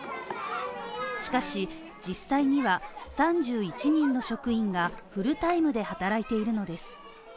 しかし、実際には３１人の職員がフルタイムで働いているのです。